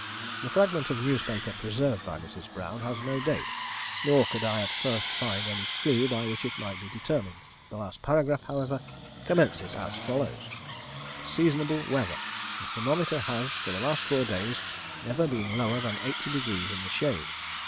The fragment of newspaper preserved by Mrs. Brown has no date, nor could I at first find any clue by which it might be determined. The last paragraph, however, commences as follows: SEASONABLE WEATHER! The thermometer has, for the last four days, never been lower than eighty degrees in the shade.